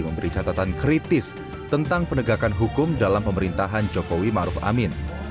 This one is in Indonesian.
memberi catatan kritis tentang penegakan hukum dalam pemerintahan jokowi maruf amin